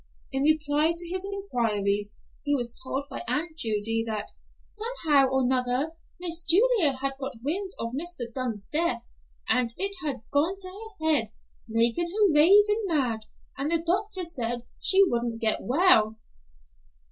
In reply to his inquiries, he was told by Aunt Judy, that "somehow or 'nother, Miss Julia had got wind of Mr. Dunn's death, and it had gone to her head, makin' her ravin' mad, and the doctor said she wouldn't get well."